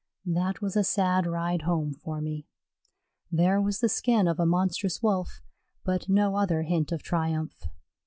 That was a sad ride home for me. There was the skin of a monstrous Wolf, but no other hint of triumph.